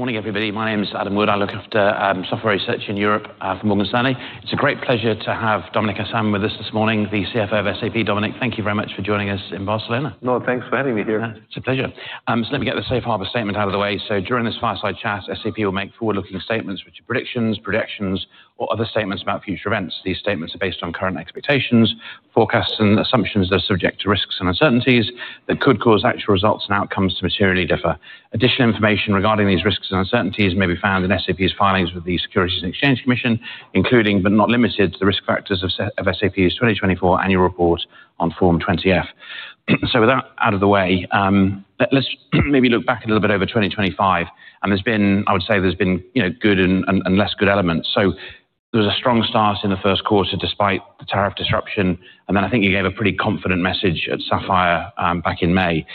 Morning, everybody. My name's Adam Wood. I look after software research in Europe for Morgan Stanley. It's a great pleasure to have Dominik Asam with us this morning, the CFO of SAP. Dominik, thank you very much for joining us in Barcelona. No, thanks for having me here. It's a pleasure. Let me get the SAFE Harbor statement out of the way. During this fireside chat, SAP will make forward-looking statements, which are predictions, projections, or other statements about future events. These statements are based on current expectations, forecasts, and assumptions that are subject to risks and uncertainties that could cause actual results and outcomes to materially differ. Additional information regarding these risks and uncertainties may be found in SAP's filings with the Securities and Exchange Commission, including but not limited to the risk factors of SAP's 2024 annual report on Form 20F. With that out of the way, let's maybe look back a little bit over 2025. There's been, I would say there's been good and less good elements. There was a strong start in the first quarter despite the tariff disruption. I think you gave a pretty confident message at Sapphire back in May.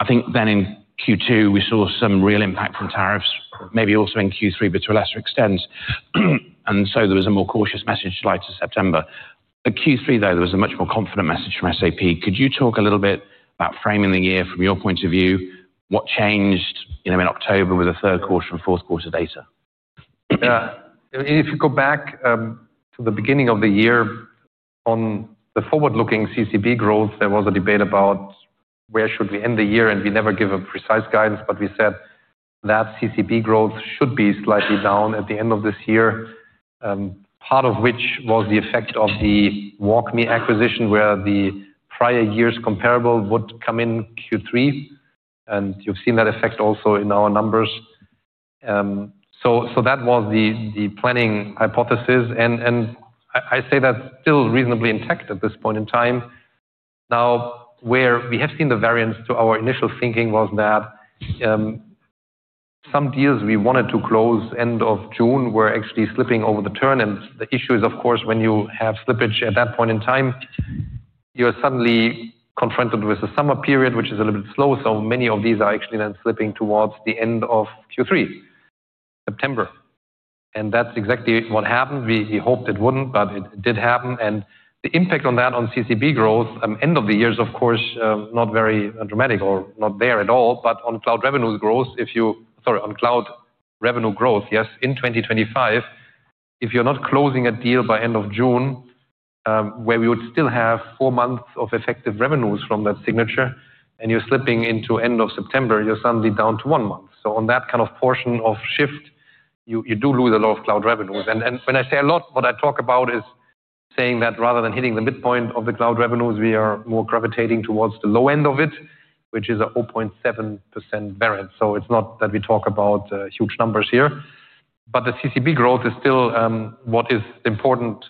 I think then in Q2, we saw some real impact from tariffs, maybe also in Q3, but to a lesser extent. There was a more cautious message later September. At Q3, though, there was a much more confident message from SAP. Could you talk a little bit about framing the year from your point of view? What changed in October with the third quarter and fourth quarter data? Yeah. If you go back to the beginning of the year, on the forward-looking CCB growth, there was a debate about where should we end the year. We never give a precise guidance, but we said that CCB growth should be slightly down at the end of this year, part of which was the effect of the WalkMe acquisition, where the prior year's comparable would come in Q3. You have seen that effect also in our numbers. That was the planning hypothesis. I say that is still reasonably intact at this point in time. Now, where we have seen the variance to our initial thinking was that some deals we wanted to close end of June were actually slipping over the turn. The issue is, of course, when you have slippage at that point in time, you're suddenly confronted with a summer period, which is a little bit slow. Many of these are actually then slipping towards the end of Q3, September. That's exactly what happened. We hoped it wouldn't, but it did happen. The impact on that on CCB growth, end of the year, is, of course, not very dramatic or not there at all. On cloud revenue growth, if you—sorry, on cloud revenue growth, yes, in 2025, if you're not closing a deal by end of June, where we would still have four months of effective revenues from that signature, and you're slipping into end of September, you're suddenly down to one month. On that kind of portion of shift, you do lose a lot of cloud revenues. When I say a lot, what I talk about is saying that rather than hitting the midpoint of the cloud revenues, we are more gravitating towards the low end of it, which is a 0.7% variance. It is not that we talk about huge numbers here. The CCB growth is still what is the important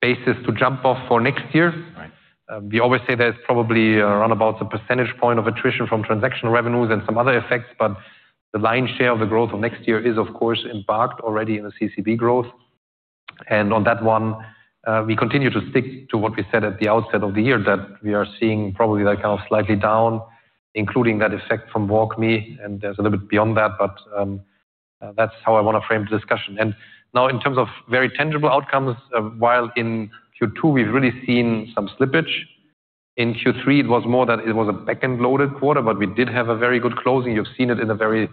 basis to jump off for next year. We always say there is probably around about a percentage point of attrition from transactional revenues and some other effects. The lion's share of the growth of next year is, of course, embarked already in the CCB growth. On that one, we continue to stick to what we said at the outset of the year, that we are seeing probably that kind of slightly down, including that effect from WalkMe. There is a little bit beyond that. That is how I want to frame the discussion. Now, in terms of very tangible outcomes, while in Q2, we have really seen some slippage, in Q3, it was more that it was a back-end-loaded quarter, but we did have a very good closing. You have seen it in a very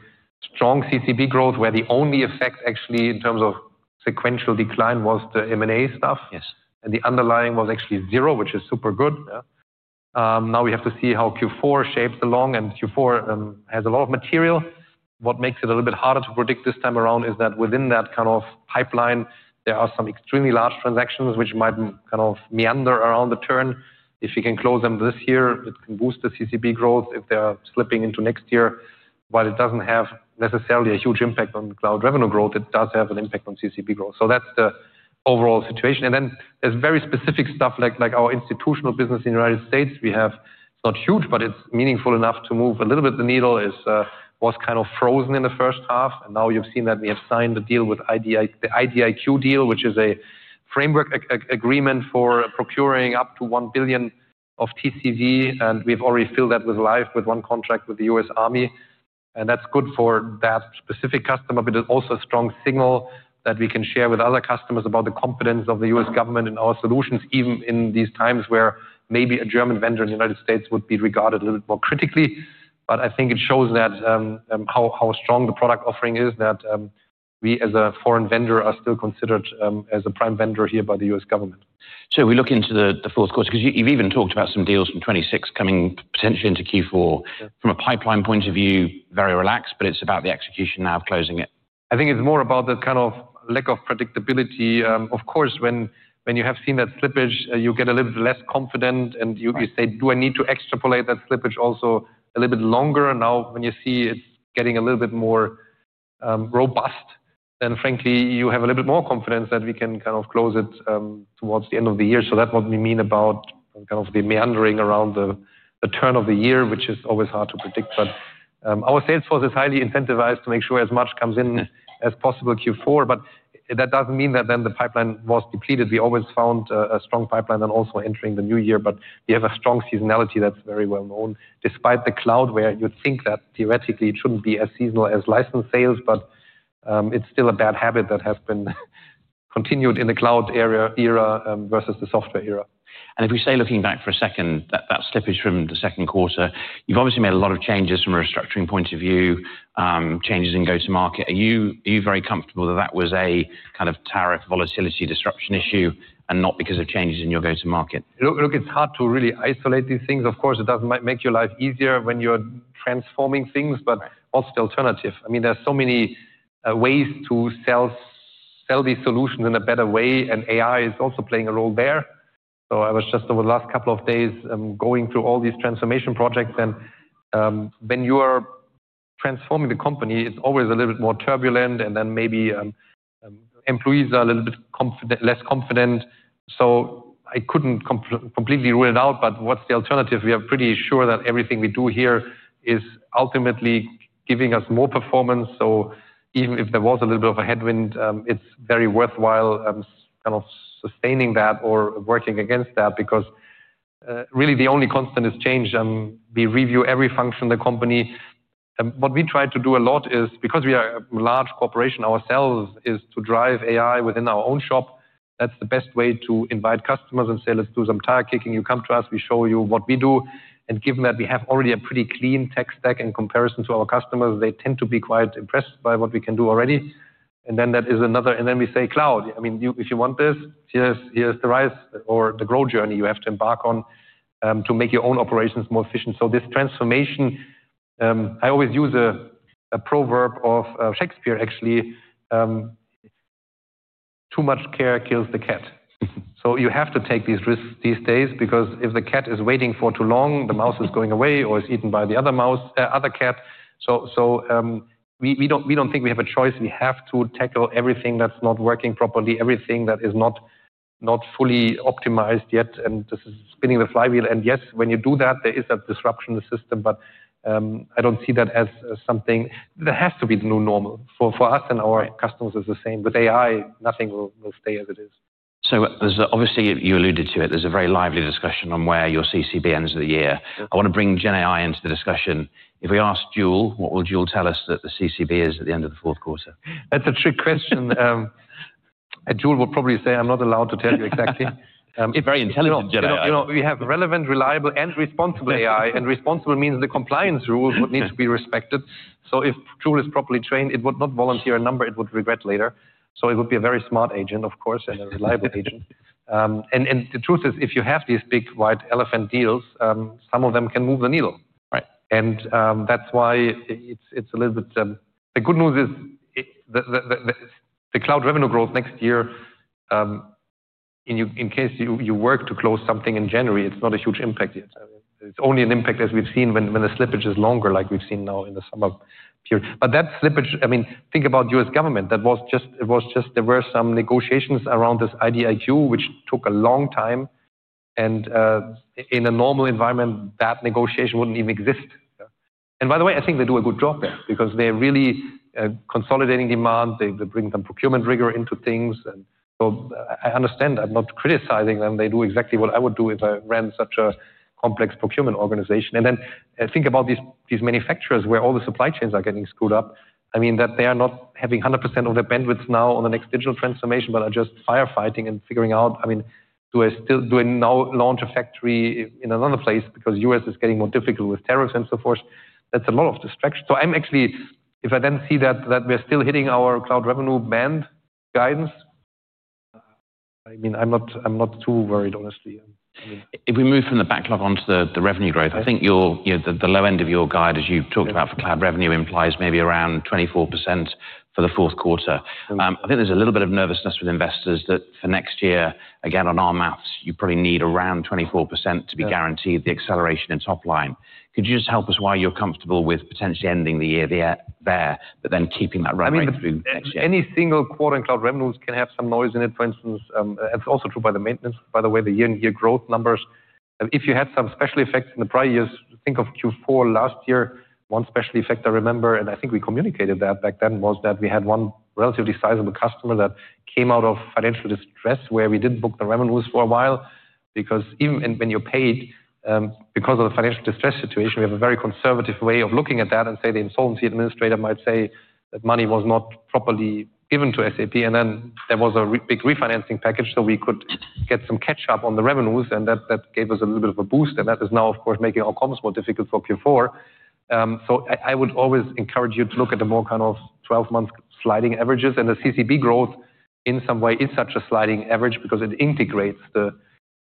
strong CCB growth, where the only effect actually in terms of sequential decline was the M&A stuff. The underlying was actually zero, which is super good. Now we have to see how Q4 shapes along. Q4 has a lot of material. What makes it a little bit harder to predict this time around is that within that kind of pipeline, there are some extremely large transactions, which might kind of meander around the turn. If you can close them this year, it can boost the CCB growth if they are slipping into next year. While it does not have necessarily a huge impact on cloud revenue growth, it does have an impact on CCB growth. That is the overall situation. There is very specific stuff like our institutional business in the United States. We have—it is not huge, but it is meaningful enough to move a little bit the needle—it was kind of frozen in the first half. Now you have seen that we have signed a deal with IDIQ, the IDIQ deal, which is a framework agreement for procuring up to $1 billion of TCV. We have already filled that with life with one contract with the U.S. Army. That is good for that specific customer, but it is also a strong signal that we can share with other customers about the confidence of the U.S. government in our solutions, even in these times where maybe a German vendor in the United States would be regarded a little bit more critically. I think it shows how strong the product offering is, that we as a foreign vendor are still considered as a prime vendor here by the U.S. government. We look into the fourth quarter, because you've even talked about some deals from 2026 coming potentially into Q4. From a pipeline point of view, very relaxed, but it's about the execution now of closing it. I think it's more about the kind of lack of predictability. Of course, when you have seen that slippage, you get a little bit less confident. You say, "Do I need to extrapolate that slippage also a little bit longer?" Now, when you see it's getting a little bit more robust, then frankly, you have a little bit more confidence that we can kind of close it towards the end of the year. That is what we mean about kind of the meandering around the turn of the year, which is always hard to predict. Our sales force is highly incentivized to make sure as much comes in as possible Q4. That does not mean that then the pipeline was depleted. We always found a strong pipeline and also entering the new year. We have a strong seasonality that is very well known, despite the cloud, where you would think that theoretically it should not be as seasonal as license sales. It is still a bad habit that has been continued in the cloud era versus the software era. If we stay looking back for a second, that slippage from the second quarter, you've obviously made a lot of changes from a restructuring point of view, changes in go-to-market. Are you very comfortable that that was a kind of tariff volatility disruption issue and not because of changes in your go-to-market? Look, it's hard to really isolate these things. Of course, it doesn't make your life easier when you're transforming things, but what's the alternative? I mean, there are so many ways to sell these solutions in a better way. And AI is also playing a role there. I was just over the last couple of days going through all these transformation projects. When you are transforming the company, it's always a little bit more turbulent. Then maybe employees are a little bit less confident. I couldn't completely rule it out. What's the alternative? We are pretty sure that everything we do here is ultimately giving us more performance. Even if there was a little bit of a headwind, it's very worthwhile kind of sustaining that or working against that, because really the only constant is change. We review every function of the company. What we try to do a lot is, because we are a large corporation ourselves, is to drive AI within our own shop. That's the best way to invite customers and say, "Let's do some tire kicking. You come to us. We show you what we do." Given that we have already a pretty clean tech stack in comparison to our customers, they tend to be quite impressed by what we can do already. That is another. We say, "Cloud, I mean, if you want this, here's the RISE or the growth journey you have to embark on to make your own operations more efficient." This transformation, I always use a proverb of Shakespeare, actually, "Too much care kills the cat." You have to take these risks these days, because if the cat is waiting for too long, the mouse is going away or is eaten by the other mouse, other cat. We do not think we have a choice. We have to tackle everything that is not working properly, everything that is not fully optimized yet. This is spinning the flywheel. Yes, when you do that, there is a disruption in the system. I do not see that as something that has to be the new normal. For us and our customers, it is the same. With AI, nothing will stay as it is. Obviously, you alluded to it. There's a very lively discussion on where your CCB ends the year. I want to bring Gen AI into the discussion. If we asked Joule, what will Joule tell us that the CCB is at the end of the fourth quarter? That's a trick question. Joule will probably say, "I'm not allowed to tell you exactly. Very intelligent, Gen AI. We have relevant, reliable, and responsible AI. Responsible means the compliance rules would need to be respected. If Joule is properly trained, it would not volunteer a number. It would regret later. It would be a very smart agent, of course, and a reliable agent. The truth is, if you have these big white elephant deals, some of them can move the needle. That is why the good news is the cloud revenue growth next year, in case you were to close something in January, is not a huge impact yet. It is only an impact, as we have seen, when the slippage is longer, like we have seen now in the summer period. That slippage, I mean, think about U.S. government. It was just there were some negotiations around this IDIQ, which took a long time. In a normal environment, that negotiation would not even exist. By the way, I think they do a good job there, because they are really consolidating demand. They are bringing some procurement rigor into things. I understand. I am not criticizing them. They do exactly what I would do if I ran such a complex procurement organization. Think about these manufacturers where all the supply chains are getting screwed up. I mean, they are not having 100% of their bandwidth now on the next digital transformation, but are just firefighting and figuring out, I mean, do I still, do I now launch a factory in another place because the U.S. is getting more difficult with tariffs and so forth? That is a lot of distraction. I am actually, if I then see that we are still hitting our cloud revenue band guidance, I mean, I am not too worried, honestly. If we move from the backlog onto the revenue growth, I think the low end of your guide, as you've talked about for cloud revenue, implies maybe around 24% for the fourth quarter. I think there's a little bit of nervousness with investors that for next year, again, on our maps, you probably need around 24% to be guaranteed the acceleration in top line. Could you just help us why you're comfortable with potentially ending the year there, but then keeping that revenue through next year? I mean, any single quarter in cloud revenues can have some noise in it. For instance, it is also true by the maintenance, by the way, the year-on-year growth numbers. If you had some special effects in the prior years, think of Q4 last year, one special effect I remember, and I think we communicated that back then, was that we had one relatively sizable customer that came out of financial distress, where we did not book the revenues for a while. Because even when you are paid because of the financial distress situation, we have a very conservative way of looking at that. Say the insolvency administrator might say that money was not properly given to SAP. There was a big refinancing package, so we could get some catch-up on the revenues. That gave us a little bit of a boost. That is now, of course, making our comms more difficult for Q4. I would always encourage you to look at the more kind of 12-month sliding averages. The CCB growth in some way is such a sliding average, because it integrates the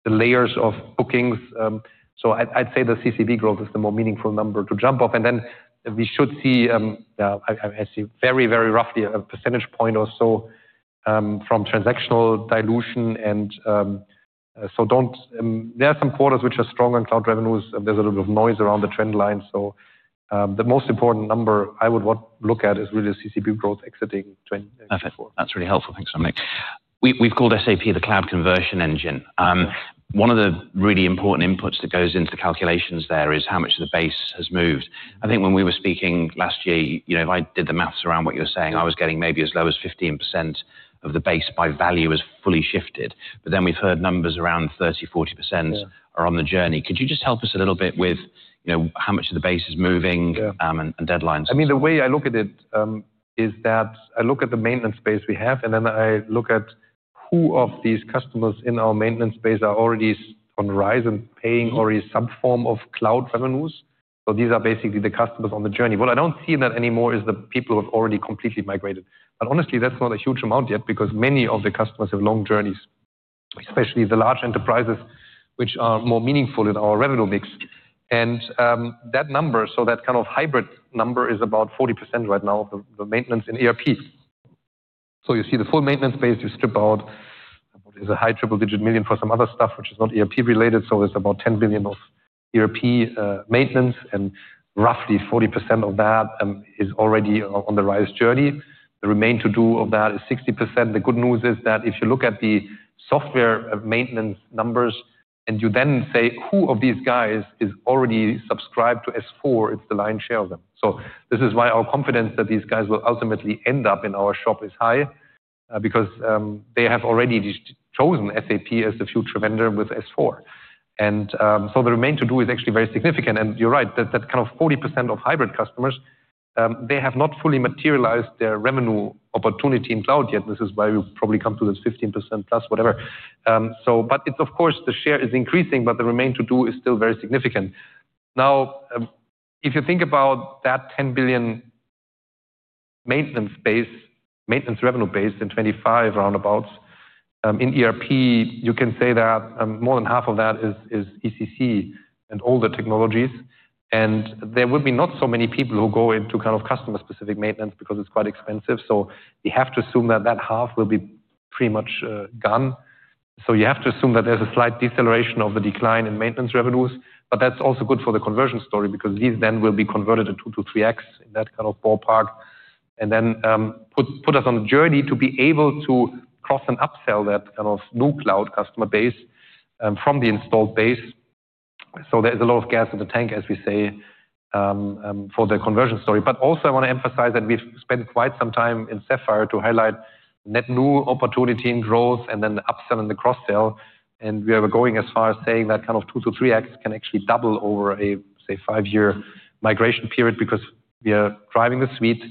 layers of bookings. I'd say the CCB growth is the more meaningful number to jump off. We should see, I see very, very roughly a percentage point or so from transactional dilution. There are some quarters which are strong on cloud revenues. There's a little bit of noise around the trend line. The most important number I would look at is really the CCB growth exiting Q4. Perfect. That's really helpful. Thanks so much. We've called SAP the cloud conversion engine. One of the really important inputs that goes into calculations there is how much of the base has moved. I think when we were speaking last year, if I did the maths around what you're saying, I was getting maybe as low as 15% of the base by value as fully shifted. But then we've heard numbers around 30%, 40% are on the journey. Could you just help us a little bit with how much of the base is moving and deadlines? I mean, the way I look at it is that I look at the maintenance base we have. Then I look at who of these customers in our maintenance base are already on the horizon paying already some form of cloud revenues. These are basically the customers on the journey. What I do not see in that anymore is the people who have already completely migrated. Honestly, that is not a huge amount yet, because many of the customers have long journeys, especially the large enterprises, which are more meaningful in our revenue mix. That number, so that kind of hybrid number, is about 40% right now of the maintenance in ERP. You see the full maintenance base. You strip out what is a high triple-digit million for some other stuff, which is not ERP related. There is about $10 billion of ERP maintenance. Roughly 40% of that is already on the RISE journey. The remaining to do of that is 60%. The good news is that if you look at the software maintenance numbers and you then say, "Who of these guys is already subscribed to S/4?" it's the lion's share of them. This is why our confidence that these guys will ultimately end up in our shop is high, because they have already chosen SAP as the future vendor with S/4. The remaining to do is actually very significant. You're right, that kind of 40% of hybrid customers, they have not fully materialized their revenue opportunity in cloud yet. This is why we probably come to this 15% plus whatever. Of course, the share is increasing, but the remaining to do is still very significant. Now, if you think about that $10 billion maintenance revenue base in 2025, roundabouts, in ERP, you can say that more than half of that is ECC and older technologies. There will be not so many people who go into kind of customer-specific maintenance, because it is quite expensive. We have to assume that that half will be pretty much gone. You have to assume that there is a slight deceleration of the decline in maintenance revenues. That is also good for the conversion story, because these then will be converted to 2-3x in that kind of ballpark. That puts us on the journey to be able to cross and upsell that kind of new cloud customer base from the installed base. There is a lot of gas in the tank, as we say, for the conversion story. I want to emphasize that we've spent quite some time in Sapphire to highlight net new opportunity in growth and then the upsell and the cross-sell. We are going as far as saying that kind of 2-3x can actually double over a, say, five-year migration period, because we are driving the suite.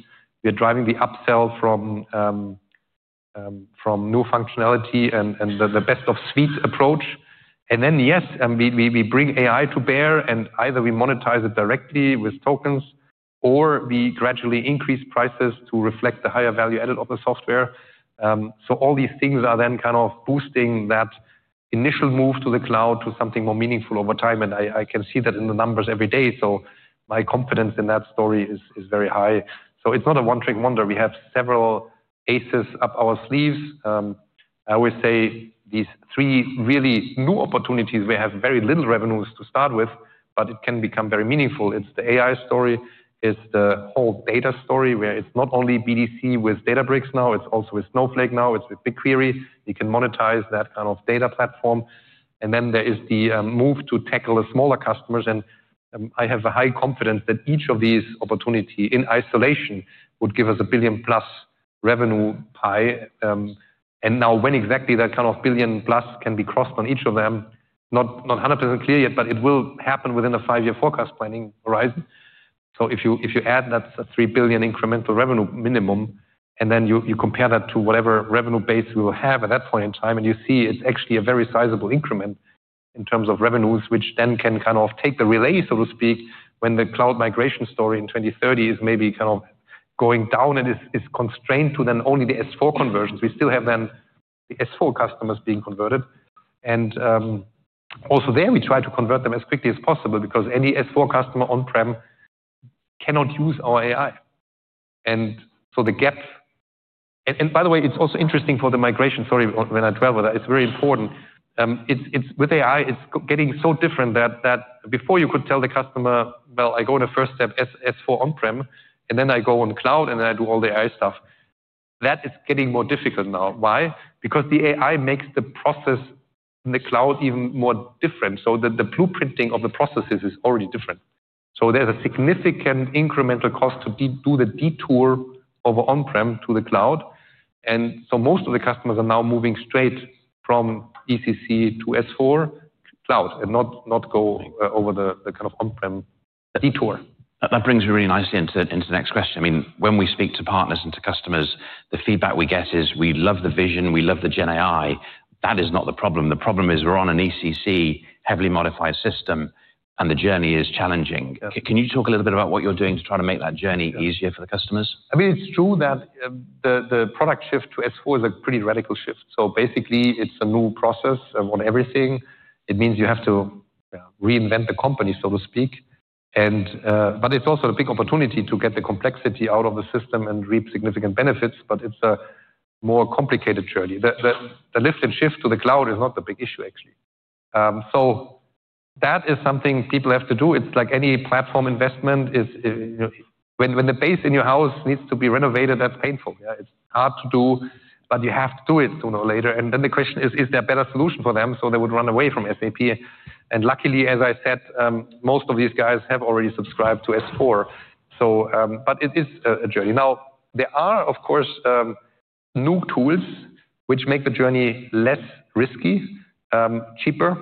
We are driving the upsell from new functionality and the best-of-suite approach. Yes, we bring AI to bear. Either we monetize it directly with tokens, or we gradually increase prices to reflect the higher value added of the software. All these things are then kind of boosting that initial move to the cloud to something more meaningful over time. I can see that in the numbers every day. My confidence in that story is very high. It's not a one-trick wonder. We have several aces up our sleeves. I always say these three really new opportunities, we have very little revenues to start with, but it can become very meaningful. It's the AI story. It's the whole data story, where it's not only BDC with Databricks now. It's also with Snowflake now. It's with BigQuery. You can monetize that kind of data platform. There is the move to tackle the smaller customers. I have a high confidence that each of these opportunities in isolation would give us a billion-plus revenue pie. Now when exactly that kind of billion-plus can be crossed on each of them, not 100% clear yet, but it will happen within the five-year forecast planning horizon. If you add that's a $3 billion incremental revenue minimum, and then you compare that to whatever revenue base we will have at that point in time, you see it's actually a very sizable increment in terms of revenues, which then can kind of take the relay, so to speak, when the cloud migration story in 2030 is maybe kind of going down and is constrained to then only the S/4 conversions. We still have then the S/4 customers being converted. Also there, we try to convert them as quickly as possible, because any S/4 customer on-prem cannot use our AI. The gap, and by the way, it's also interesting for the migration, sorry, when I dwell with that, it's very important. With AI, it's getting so different that before you could tell the customer, "Well, I go to first step S/4 on-prem, and then I go on cloud, and then I do all the AI stuff." That is getting more difficult now. Why? Because the AI makes the process in the cloud even more different. The blueprinting of the processes is already different. There is a significant incremental cost to do the detour over on-prem to the cloud. Most of the customers are now moving straight from ECC to S/4 cloud and not go over the kind of on-prem detour. That brings me really nicely into the next question. I mean, when we speak to partners and to customers, the feedback we get is, "We love the vision. We love the Gen AI." That is not the problem. The problem is we're on an ECC, heavily modified system, and the journey is challenging. Can you talk a little bit about what you're doing to try to make that journey easier for the customers? I mean, it's true that the product shift to S/4 is a pretty radical shift. So basically, it's a new process on everything. It means you have to reinvent the company, so to speak. But it's also a big opportunity to get the complexity out of the system and reap significant benefits. But it's a more complicated journey. The lift and shift to the cloud is not the big issue, actually. So that is something people have to do. It's like any platform investment. When the base in your house needs to be renovated, that's painful. It's hard to do, but you have to do it sooner or later. And then the question is, is there a better solution for them? So they would run away from SAP. And luckily, as I said, most of these guys have already subscribed to S/4. But it is a journey. Now, there are, of course, new tools which make the journey less risky, cheaper.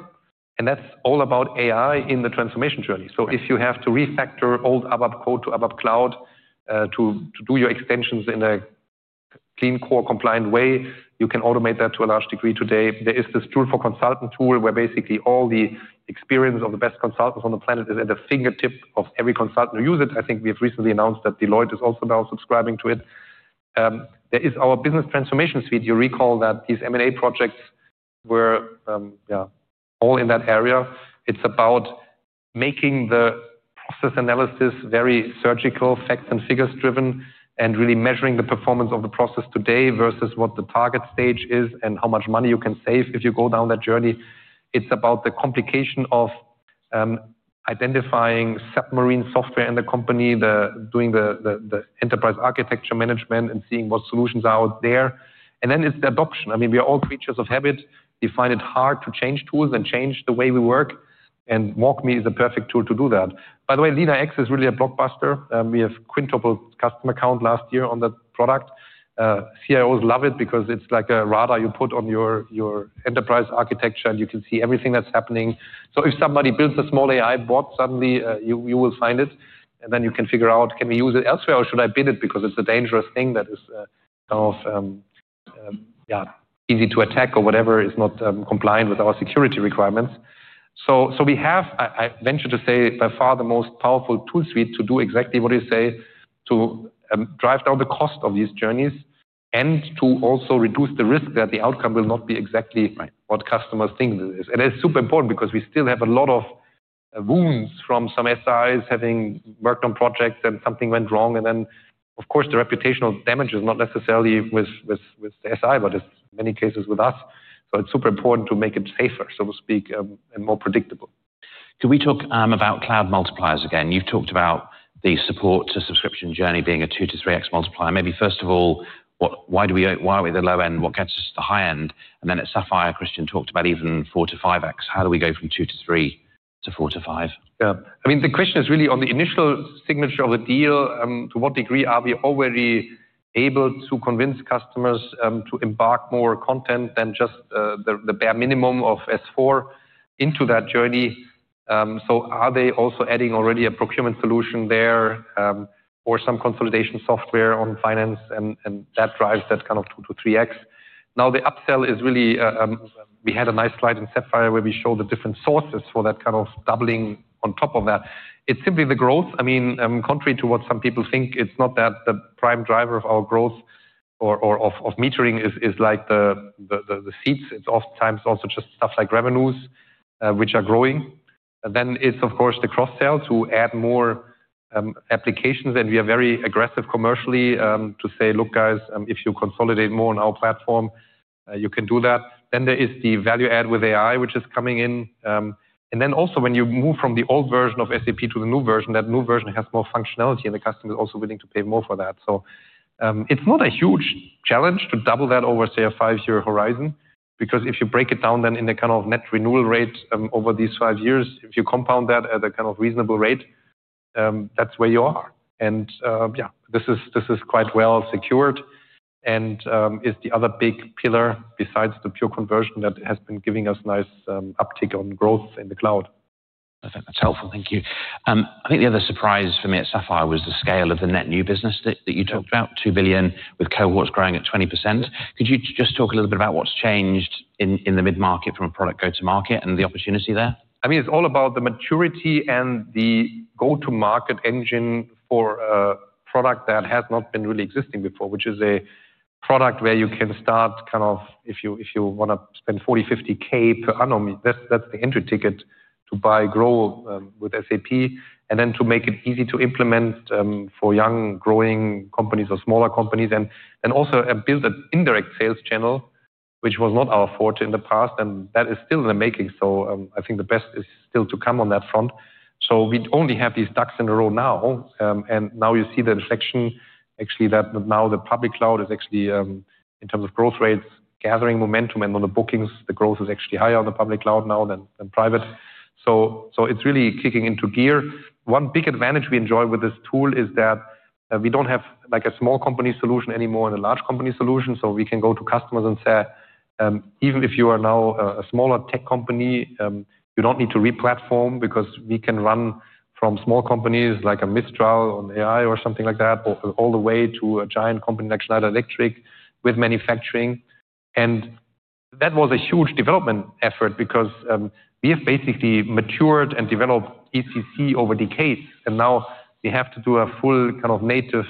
That is all about AI in the transformation journey. If you have to refactor old ABAP code to ABAP Cloud to do your extensions in a clean, core-compliant way, you can automate that to a large degree today. There is this tool for consultant tool, where basically all the experience of the best consultants on the planet is at the fingertip of every consultant who uses it. I think we have recently announced that Deloitte is also now subscribing to it. There is our Business Transformation Suite. You recall that these M&A projects were all in that area. It's about making the process analysis very surgical, facts and figures driven, and really measuring the performance of the process today versus what the target stage is and how much money you can save if you go down that journey. It's about the complication of identifying submarine software in the company, doing the enterprise architecture management, and seeing what solutions are out there. Then it's the adoption. I mean, we are all creatures of habit. We find it hard to change tools and change the way we work. WalkMe is a perfect tool to do that. By the way, LeanIX is really a blockbuster. We have quintupled customer count last year on that product. CIOs love it, because it's like a radar you put on your enterprise architecture, and you can see everything that's happening. If somebody builds a small AI bot, suddenly you will find it. You can figure out, can we use it elsewhere, or should I bid it? Because it is a dangerous thing that is kind of easy to attack or whatever, is not compliant with our security requirements. I venture to say, by far the most powerful tool suite to do exactly what you say, to drive down the cost of these journeys and to also reduce the risk that the outcome will not be exactly what customers think it is. It is super important, because we still have a lot of wounds from some SIs having worked on projects and something went wrong. Of course, the reputational damage is not necessarily with the SI, but in many cases with us. It's super important to make it safer, so to speak, and more predictable. Can we talk about cloud multipliers again? You've talked about the support to subscription journey being a 2-3x multiplier. Maybe first of all, why are we at the low end? What gets us to the high end? At Sapphire, Christian talked about even 4-5x. How do we go from 2-3 to 4-5? Yeah. I mean, the question is really on the initial signature of a deal. To what degree are we already able to convince customers to embark more content than just the bare minimum of S/4 into that journey? Are they also adding already a procurement solution there or some consolidation software on finance? That drives that kind of 2-3x. Now, the upsell is really, we had a nice slide in Sapphire where we showed the different sources for that kind of doubling on top of that. It is simply the growth. I mean, contrary to what some people think, it is not that the prime driver of our growth or of metering is like the seats. It is oftentimes also just stuff like revenues, which are growing. Then it is, of course, the cross-sell to add more applications. We are very aggressive commercially to say, "Look, guys, if you consolidate more on our platform, you can do that." There is the value add with AI, which is coming in. Also, when you move from the old version of SAP to the new version, that new version has more functionality, and the customer is also willing to pay more for that. It is not a huge challenge to double that over, say, a five-year horizon, because if you break it down in the kind of net renewal rate over these five years, if you compound that at a kind of reasonable rate, that is where you are. Yeah, this is quite well secured and is the other big pillar besides the pure conversion that has been giving us nice uptick on growth in the cloud. That's helpful. Thank you. I think the other surprise for me at Sapphire was the scale of the net new business that you talked about, $2 billion, with cohorts growing at 20%. Could you just talk a little bit about what's changed in the mid-market from a product go-to-market and the opportunity there? I mean, it's all about the maturity and the go-to-market engine for a product that has not been really existing before, which is a product where you can start kind of, if you want to spend $40,000-$50,000 per annum, that's the entry ticket to buy, Grow with SAP, and then to make it easy to implement for young growing companies or smaller companies. Then also build an indirect sales channel, which was not our forte in the past, and that is still in the making. I think the best is still to come on that front. We only have these ducks in a row now. Now you see the inflection, actually, that now the public cloud is actually, in terms of growth rates, gathering momentum. On the bookings, the growth is actually higher on the public cloud now than private. It's really kicking into gear. One big advantage we enjoy with this tool is that we don't have like a small company solution anymore and a large company solution. We can go to customers and say, "Even if you are now a smaller tech company, you don't need to replatform, because we can run from small companies like a Mistral on AI or something like that all the way to a giant company like Schneider Electric with manufacturing." That was a huge development effort, because we have basically matured and developed ECC over decades. Now we have to do a full kind of native.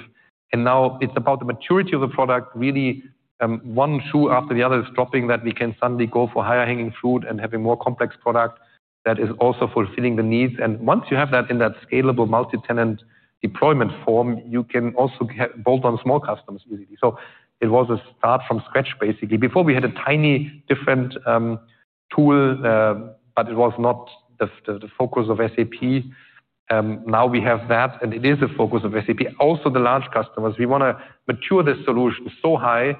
Now it's about the maturity of the product. Really, one shoe after the other is dropping that we can suddenly go for higher-hanging fruit and have a more complex product that is also fulfilling the needs. Once you have that in that scalable multi-tenant deployment form, you can also bolt on small customers easily. It was a start from scratch, basically. Before, we had a tiny different tool, but it was not the focus of SAP. Now we have that, and it is the focus of SAP. Also, the large customers, we want to mature the solution so high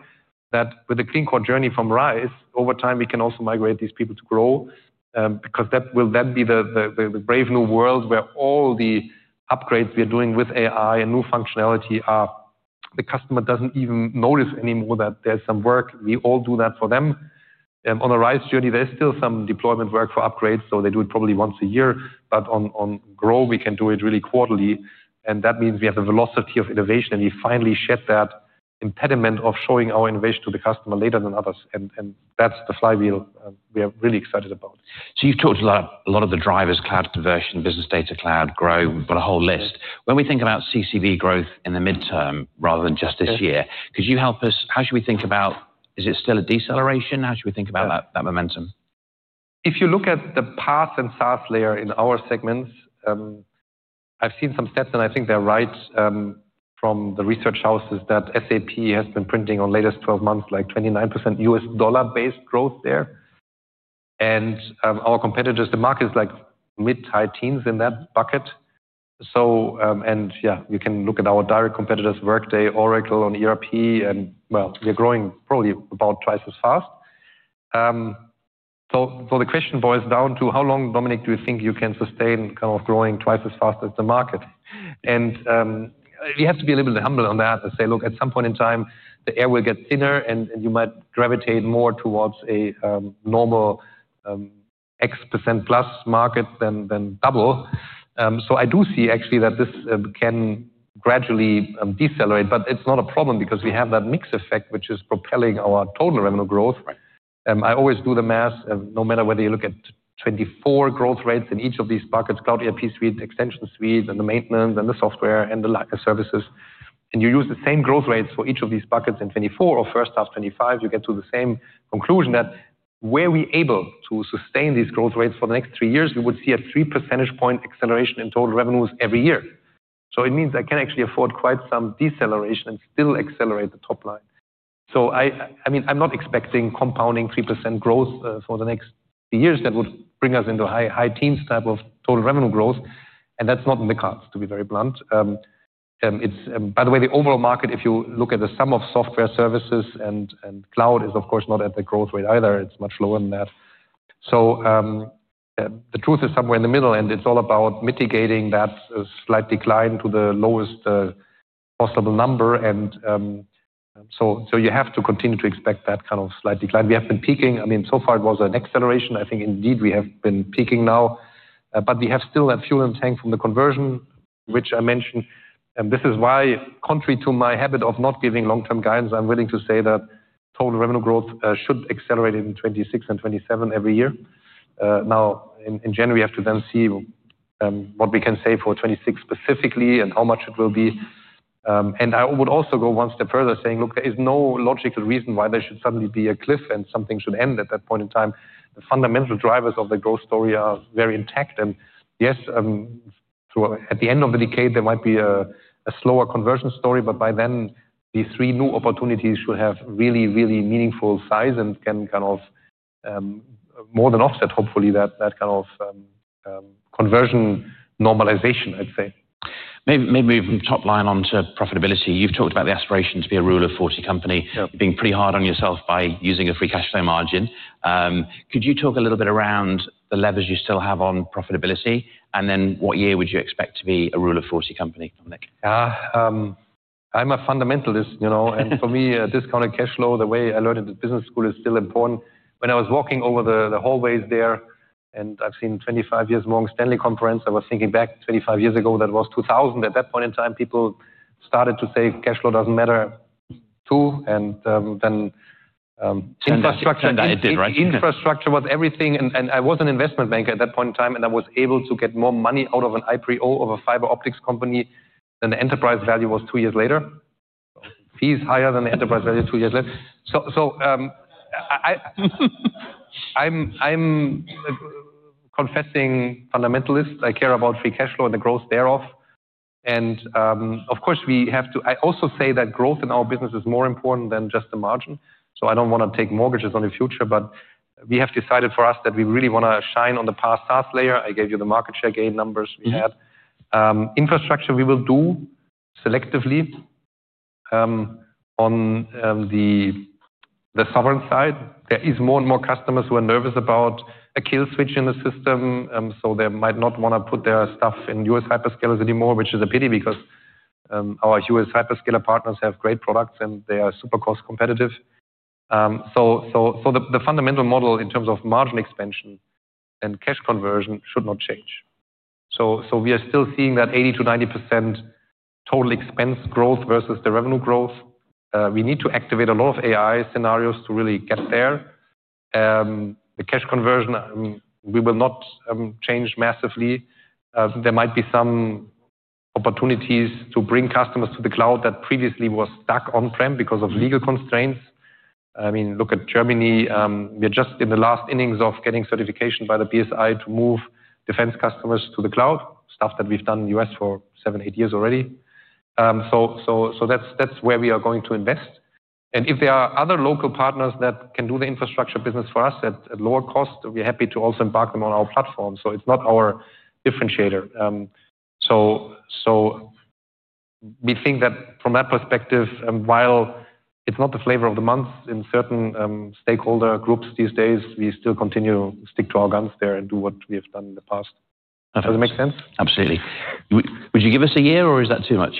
that with the clean-core journey from Rise, over time, we can also migrate these people to Grow, because that will then be the brave new world where all the upgrades we are doing with AI and new functionality, the customer does not even notice anymore that there is some work. We all do that for them. On the Rise journey, there is still some deployment work for upgrades, so they do it probably once a year. On Grow, we can do it really quarterly. That means we have a velocity of innovation, and we finally shed that impediment of showing our innovation to the customer later than others. That is the flywheel we are really excited about. You've talked a lot of the drivers: cloud conversion, business data cloud, Grow. We've got a whole list. When we think about CCB growth in the midterm rather than just this year, could you help us? How should we think about, is it still a deceleration? How should we think about that momentum? If you look at the PaaS and SaaS layer in our segments, I've seen some stats, and I think they're right from the research houses that SAP has been printing on latest 12 months like 29% US dollar-based growth there. Our competitors, the market is like mid-teens in that bucket. You can look at our direct competitors, Workday, Oracle, and ERP. We're growing probably about twice as fast. The question boils down to, how long, Dominik, do you think you can sustain kind of growing twice as fast as the market? We have to be a little bit humble on that and say, "Look, at some point in time, the air will get thinner, and you might gravitate more towards a normal X% plus market than double." I do see, actually, that this can gradually decelerate. It's not a problem, because we have that mixed effect, which is propelling our total revenue growth. I always do the math. No matter whether you look at 2024 growth rates in each of these buckets: cloud ERP suite, extension suite, and the maintenance, and the software, and the services. You use the same growth rates for each of these buckets in 2024 or first half 2025, you get to the same conclusion that where we are able to sustain these growth rates for the next three years, we would see a 3 percentage point acceleration in total revenues every year. It means I can actually afford quite some deceleration and still accelerate the top line. I mean, I'm not expecting compounding 3% growth for the next three years. That would bring us into high teens type of total revenue growth. That is not in the cards, to be very blunt. By the way, the overall market, if you look at the sum of software services and cloud, is of course not at the growth rate either. It is much lower than that. The truth is somewhere in the middle, and it is all about mitigating that slight decline to the lowest possible number. You have to continue to expect that kind of slight decline. We have been peaking. I mean, so far it was an acceleration. I think indeed we have been peaking now. We still have that fuel in the tank from the conversion, which I mentioned. This is why, contrary to my habit of not giving long-term guidance, I am willing to say that total revenue growth should accelerate in 2026 and 2027 every year. Now, in January, we have to then see what we can say for 2026 specifically and how much it will be. I would also go one step further, saying, "Look, there is no logical reason why there should suddenly be a cliff and something should end at that point in time." The fundamental drivers of the growth story are very intact. Yes, at the end of the decade, there might be a slower conversion story. By then, these three new opportunities should have really, really meaningful size and can kind of more than offset, hopefully, that kind of conversion normalization, I'd say. Maybe moving from top line onto profitability. You've talked about the aspiration to be a Rule of 40 company, being pretty hard on yourself by using a free cash flow margin. Could you talk a little bit around the levers you still have on profitability? What year would you expect to be a Rule of 40 company, Dominik? I'm a fundamentalist. For me, discounted cash flow, the way I learned it at business school, is still important. When I was walking over the hallways there, and I have seen 25 years Morgan Stanley conference, I was thinking back 25 years ago. That was 2000. At that point in time, people started to say cash flow does not matter too. And then infrastructure. It did, right? Infrastructure was everything. I was an investment banker at that point in time, and I was able to get more money out of an IPO of a fiber optics company than the enterprise value was two years later. Fees higher than the enterprise value two years later. I'm confessing fundamentalist. I care about free cash flow and the growth thereof. Of course, we have to I also say that growth in our business is more important than just the margin. I don't want to take mortgages on the future. We have decided for us that we really want to shine on the past SaaS layer. I gave you the market share gain numbers we had. Infrastructure, we will do selectively on the sovereign side. There are more and more customers who are nervous about a kill switch in the system. They might not want to put their stuff in U.S. hyperscalers anymore, which is a pity, because our U.S. hyperscaler partners have great products, and they are super cost competitive. The fundamental model in terms of margin expansion and cash conversion should not change. We are still seeing that 80%-90% total expense growth versus the revenue growth. We need to activate a lot of AI scenarios to really get there. The cash conversion, we will not change massively. There might be some opportunities to bring customers to the cloud that previously were stuck on-prem because of legal constraints. I mean, look at Germany. We are just in the last innings of getting certification by the BSI to move defense customers to the cloud, stuff that we have done in the U.S. for seven, eight years already. That is where we are going to invest. If there are other local partners that can do the infrastructure business for us at lower cost, we're happy to also embark them on our platform. It is not our differentiator. We think that from that perspective, while it is not the flavor of the month in certain stakeholder groups these days, we still continue to stick to our guns there and do what we have done in the past. Does it make sense? Absolutely. Would you give us a year, or is that too much?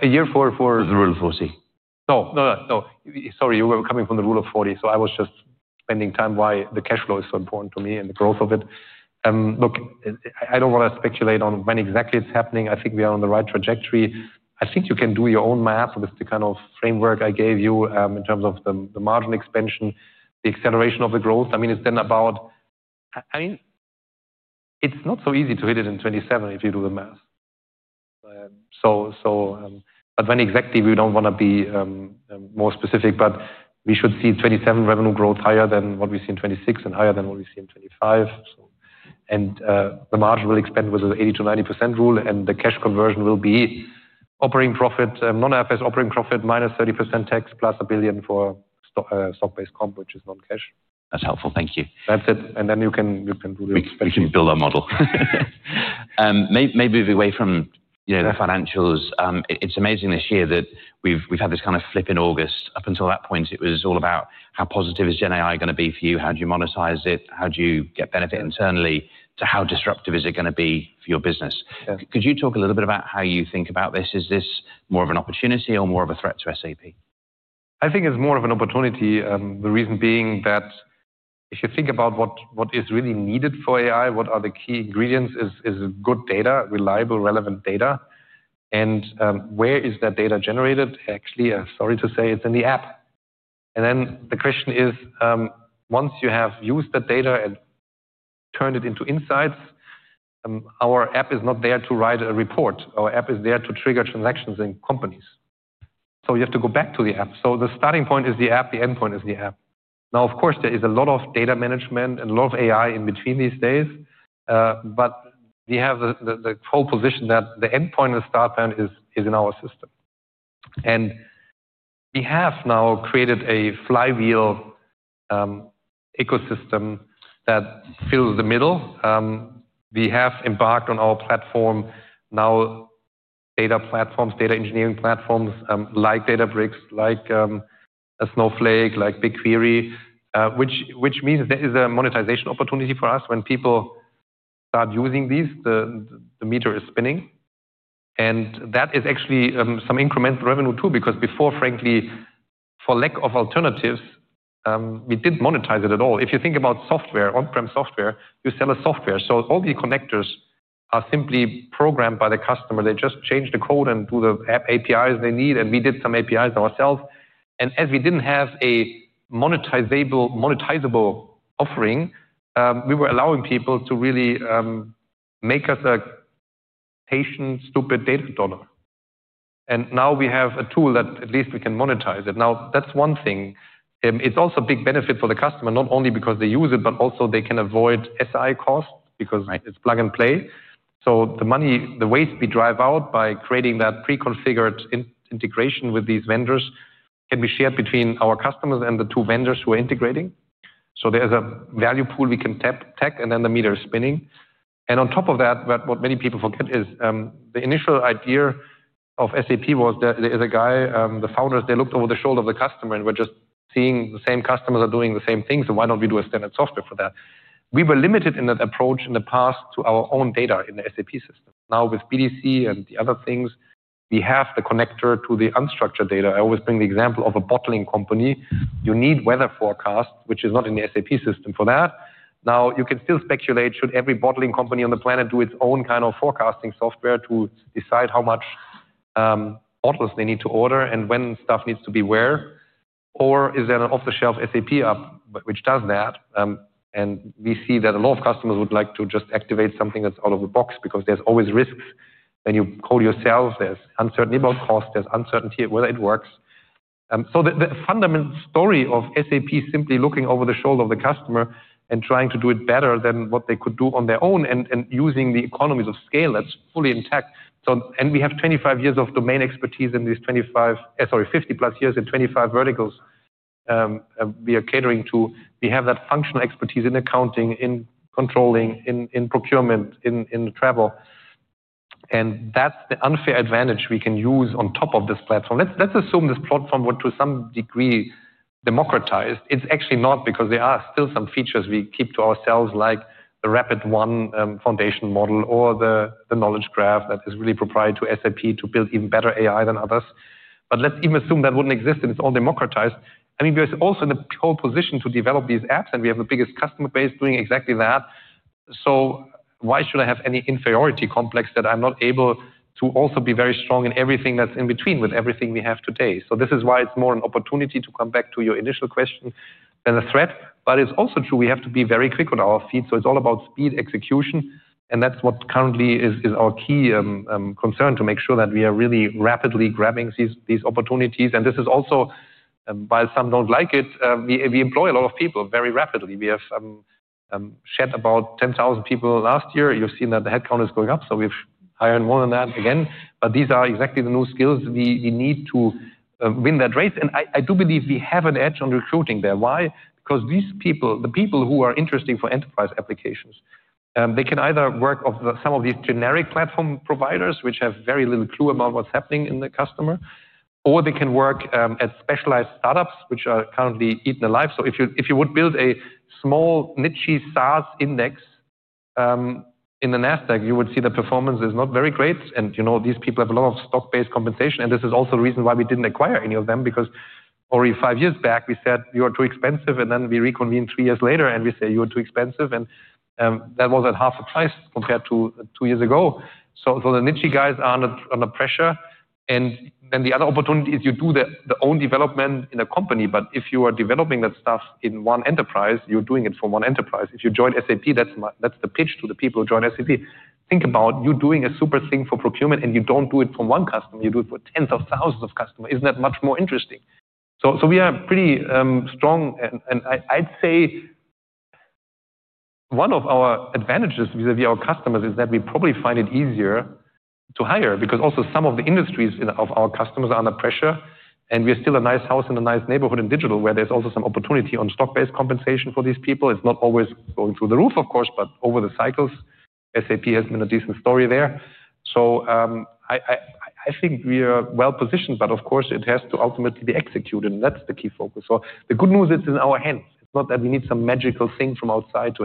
A year for. The Rule of 40. No, no, no. Sorry, you were coming from the Rule of 40. So I was just spending time why the cash flow is so important to me and the growth of it. Look, I do not want to speculate on when exactly it is happening. I think we are on the right trajectory. I think you can do your own math with the kind of framework I gave you in terms of the margin expansion, the acceleration of the growth. I mean, it is then about, I mean, it is not so easy to hit it in 2027 if you do the math. When exactly, we do not want to be more specific. We should see 2027 revenue growth higher than what we see in 2026 and higher than what we see in 2025. The margin will expand with the 80%-90% rule, and the cash conversion will be operating profit, non-FS operating profit minus 30% tax plus $1 billion for stock-based comp, which is non-cash. That's helpful. Thank you. That's it. And then you can really. We can build our model. Maybe moving away from the financials, it's amazing this year that we've had this kind of flip in August. Up until that point, it was all about how positive is GenAI going to be for you? How do you monetize it? How do you get benefit internally? To how disruptive is it going to be for your business? Could you talk a little bit about how you think about this? Is this more of an opportunity or more of a threat to SAP? I think it's more of an opportunity, the reason being that if you think about what is really needed for AI, what are the key ingredients is good data, reliable, relevant data. Where is that data generated? Actually, sorry to say, it's in the app. The question is, once you have used that data and turned it into insights, our app is not there to write a report. Our app is there to trigger transactions in companies. You have to go back to the app. The starting point is the app. The endpoint is the app. Of course, there is a lot of data management and a lot of AI in between these days. We have the whole position that the endpoint and the start plan is in our system. We have now created a flywheel ecosystem that fills the middle. We have embarked on our platform, now data platforms, data engineering platforms like Databricks, like Snowflake, like BigQuery, which means there is a monetization opportunity for us. When people start using these, the meter is spinning. That is actually some incremental revenue too, because before, frankly, for lack of alternatives, we did not monetize it at all. If you think about software, on-prem software, you sell a software. All these connectors are simply programmed by the customer. They just change the code and do the APIs they need. We did some APIs ourselves. As we did not have a monetizable offering, we were allowing people to really make us a patient, stupid data donor. Now we have a tool that at least we can monetize it. That is one thing. It's also a big benefit for the customer, not only because they use it, but also they can avoid SI cost, because it's plug and play. The money, the waste we drive out by creating that pre-configured integration with these vendors can be shared between our customers and the two vendors who are integrating. There is a value pool we can tap, and then the meter is spinning. On top of that, what many people forget is the initial idea of SAP was there is a guy, the founders, they looked over the shoulder of the customer and were just seeing the same customers are doing the same thing. Why don't we do a standard software for that? We were limited in that approach in the past to our own data in the SAP system. Now, with BDC and the other things, we have the connector to the unstructured data. I always bring the example of a bottling company. You need weather forecasts, which is not in the SAP system for that. Now, you can still speculate, should every bottling company on the planet do its own kind of forecasting software to decide how much bottles they need to order and when stuff needs to be where? Is there an off-the-shelf SAP app which does that? We see that a lot of customers would like to just activate something that's out of the box, because there's always risks when you code yourself. There's uncertainty about cost. There's uncertainty of whether it works. The fundamental story of SAP simply looking over the shoulder of the customer and trying to do it better than what they could do on their own and using the economies of scale, that's fully intact. We have 25 years of domain expertise in these 25, sorry, 50 plus years in 25 verticals we are catering to. We have that functional expertise in accounting, in controlling, in procurement, in travel. That's the unfair advantage we can use on top of this platform. Let's assume this platform were to some degree democratized. It's actually not, because there are still some features we keep to ourselves, like the RapidOne foundation model or the Knowledge Graph that is really proprietary to SAP to build even better AI than others. Let's even assume that would not exist, and it's all democratized. I mean, we're also in the pole position to develop these apps, and we have the biggest customer base doing exactly that. Why should I have any inferiority complex that I'm not able to also be very strong in everything that's in between with everything we have today? This is why it's more an opportunity to come back to your initial question than a threat. It is also true we have to be very quick on our feet. It's all about speed, execution. That's what currently is our key concern to make sure that we are really rapidly grabbing these opportunities. This is also, while some don't like it, we employ a lot of people very rapidly. We have shed about 10,000 people last year. You've seen that the headcount is going up. We've hired more than that again. These are exactly the new skills we need to win that race. I do believe we have an edge on recruiting there. Why? Because these people, the people who are interested for enterprise applications, they can either work off some of these generic platform providers, which have very little clue about what's happening in the customer, or they can work at specialized startups, which are currently eating alive. If you would build a small, niche SaaS index in the Nasdaq, you would see the performance is not very great. These people have a lot of stock-based compensation. This is also the reason why we did not acquire any of them, because only five years back, we said you are too expensive. Then we reconvened three years later, and we say you are too expensive. That was at half the price compared to two years ago. The niche guys are under pressure. The other opportunity is you do the own development in a company. If you are developing that stuff in one enterprise, you're doing it for one enterprise. If you join SAP, that's the pitch to the people who join SAP. Think about you doing a super thing for procurement, and you don't do it for one customer. You do it for tens of thousands of customers. Isn't that much more interesting? We are pretty strong. I'd say one of our advantages vis-à-vis our customers is that we probably find it easier to hire, because also some of the industries of our customers are under pressure. We are still a nice house in a nice neighborhood in digital, where there's also some opportunity on stock-based compensation for these people. It's not always going through the roof, of course, but over the cycles, SAP has been a decent story there. I think we are well positioned. Of course, it has to ultimately be executed. That's the key focus. The good news is it's in our hands. It's not that we need some magical thing from outside to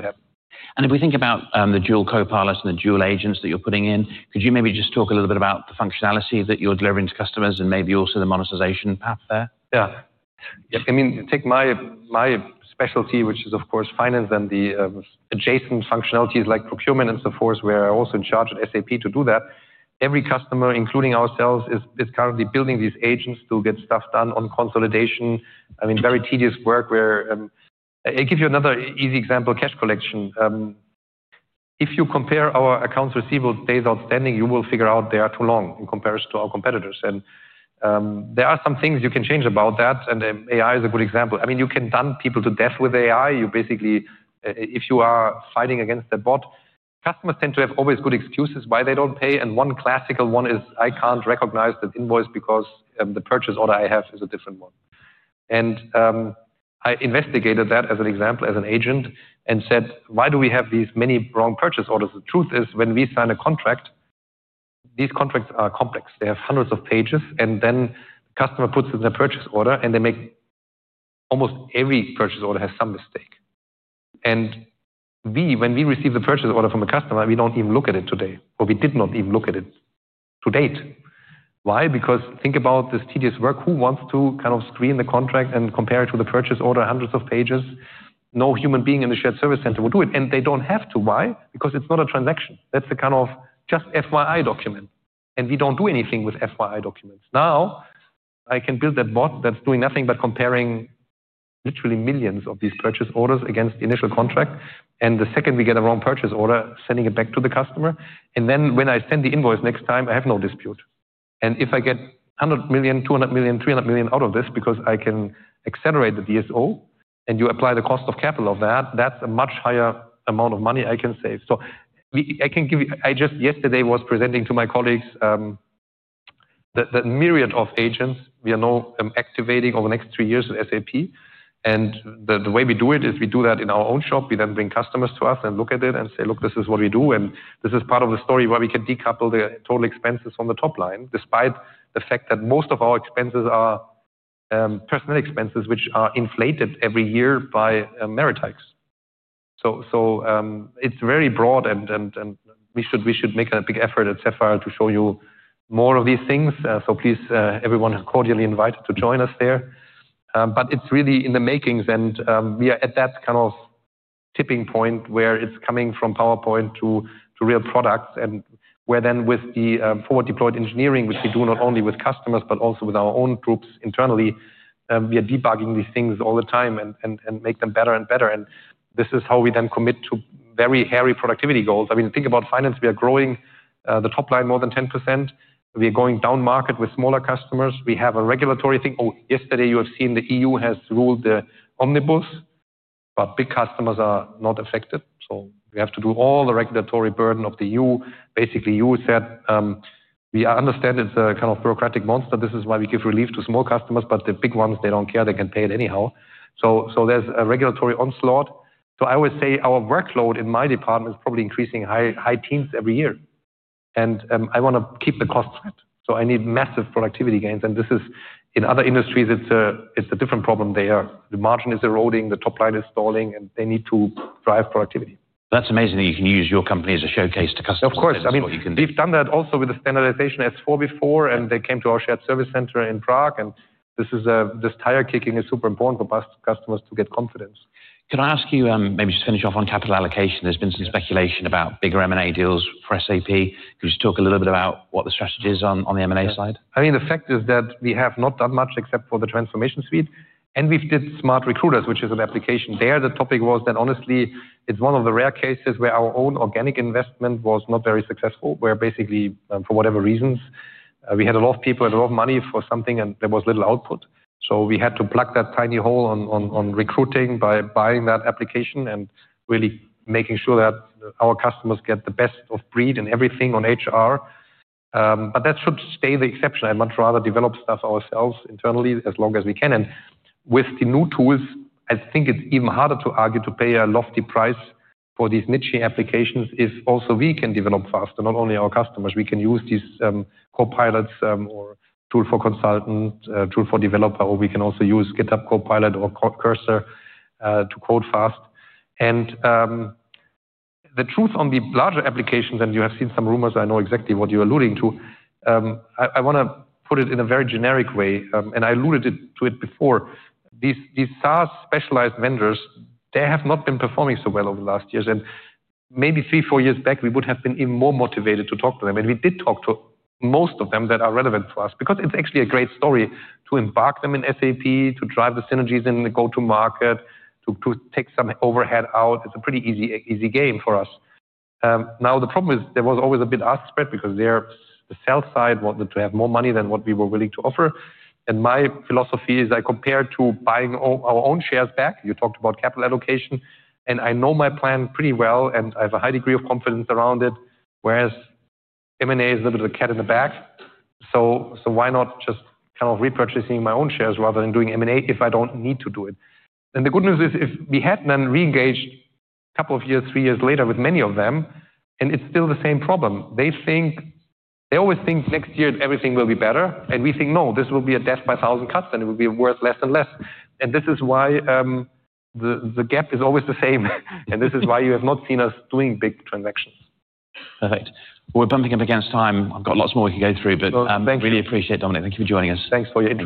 happen. If we think about the dual copilot and the dual agents that you're putting in, could you maybe just talk a little bit about the functionality that you're delivering to customers and maybe also the monetization path there? Yeah. I mean, take my specialty, which is, of course, finance, and the adjacent functionalities like procurement and so forth, where I'm also in charge of SAP to do that. Every customer, including ourselves, is currently building these agents to get stuff done on consolidation. I mean, very tedious work where. I'll give you another easy example, cash collection. If you compare our accounts receivable days outstanding, you will figure out they are too long in comparison to our competitors. There are some things you can change about that. AI is a good example. I mean, you can dumb people to death with AI. If you are fighting against a bot, customers tend to have always good excuses why they don't pay. One classical one is, I can't recognize that invoice because the purchase order I have is a different one. I investigated that as an example, as an agent, and said, why do we have these many wrong purchase orders? The truth is, when we sign a contract, these contracts are complex. They have hundreds of pages. The customer puts it in a purchase order, and they make almost every purchase order has some mistake. When we receive the purchase order from a customer, we do not even look at it today, or we did not even look at it to date. Why? Think about this tedious work. Who wants to kind of screen the contract and compare it to the purchase order, hundreds of pages? No human being in the shared service center will do it. They do not have to. Why? It is not a transaction. That is the kind of just FYI document. We do not do anything with FYI documents. Now, I can build that bot that's doing nothing but comparing literally millions of these purchase orders against the initial contract. The second we get a wrong purchase order, sending it back to the customer. When I send the invoice next time, I have no dispute. If I get $100 million, $200 million, $300 million out of this because I can accelerate the DSO and you apply the cost of capital of that, that's a much higher amount of money I can save. I can give you, I just yesterday was presenting to my colleagues the myriad of agents we are now activating over the next three years with SAP. The way we do it is we do that in our own shop. We then bring customers to us and look at it and say, look, this is what we do. This is part of the story where we can decouple the total expenses from the top line, despite the fact that most of our expenses are personal expenses, which are inflated every year by merit hikes. It is very broad. We should make a big effort at Sapphire to show you more of these things. Please, everyone is cordially invited to join us there. It is really in the makings. We are at that kind of tipping point where it is coming from PowerPoint to real products, and where then with the forward-deployed engineering, which we do not only with customers, but also with our own groups internally, we are debugging these things all the time and make them better and better. This is how we then commit to very hairy productivity goals. I mean, think about finance. We are growing the top line more than 10%. We are going down market with smaller customers. We have a regulatory thing. Oh, yesterday you have seen the EU has ruled the omnibus, but big customers are not affected. We have to do all the regulatory burden of the EU. Basically, EU said, we understand it's a kind of bureaucratic monster. This is why we give relief to small customers. The big ones, they do not care. They can pay it anyhow. There is a regulatory onslaught. I always say our workload in my department is probably increasing high teens every year. I want to keep the costs at. I need massive productivity gains. In other industries, it's a different problem. The margin is eroding. The top line is stalling. They need to drive productivity. That's amazing that you can use your company as a showcase to customers. Of course. I mean, we've done that also with the standardization S/4 before. They came to our shared service center in Prague. This tire kicking is super important for customers to get confidence. Can I ask you, maybe just finish off on capital allocation? There's been some speculation about bigger M&A deals for SAP. Could you just talk a little bit about what the strategy is on the M&A side? I mean, the fact is that we have not done much except for the Transformation Suite. And we did SmartRecruiters, which is an application there. The topic was that, honestly, it is one of the rare cases where our own organic investment was not very successful, where basically, for whatever reasons, we had a lot of people and a lot of money for something, and there was little output. So we had to plug that tiny hole on recruiting by buying that application and really making sure that our customers get the best of breed in everything on HR. But that should stay the exception. I would much rather develop stuff ourselves internally as long as we can. And with the new tools, I think it is even harder to argue to pay a lofty price for these niche applications if also we can develop faster, not only our customers. We can use these copilots or tool for consultant, tool for developer. We can also use GitHub Copilot or Cursor to code fast. The truth on the larger applications, and you have seen some rumors. I know exactly what you're alluding to. I want to put it in a very generic way. I alluded to it before. These SaaS specialized vendors, they have not been performing so well over the last years. Maybe three, four years back, we would have been even more motivated to talk to them. We did talk to most of them that are relevant for us, because it's actually a great story to embark them in SAP, to drive the synergies in the go-to-market, to take some overhead out. It's a pretty easy game for us. Now, the problem is there was always a bit of spread because the sell side wanted to have more money than what we were willing to offer. My philosophy is I compare to buying our own shares back. You talked about capital allocation. I know my plan pretty well. I have a high degree of confidence around it, whereas M&A is a little bit of a cat in the bag. Why not just kind of repurchasing my own shares rather than doing M&A if I do not need to do it? The good news is if we had not then re-engaged a couple of years, three years later with many of them, it is still the same problem. They always think next year everything will be better. We think, no, this will be a death by 1,000 cuts. It will be worth less and less. This is why the gap is always the same. This is why you have not seen us doing big transactions. Perfect. We are bumping up against time. I've got lots more we can go through. I really appreciate it, Dominik. Thank you for joining us. Thanks for your.